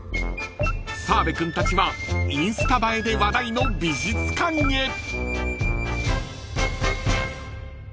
［澤部君たちはインスタ映えで話題の美術館へ］